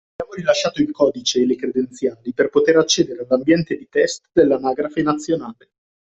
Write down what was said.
Abbiamo rilasciato il codice e le credenziali per poter accedere all’ambiente di test dell’Anagrafe nazionale